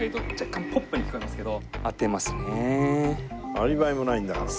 アリバイもないんだから。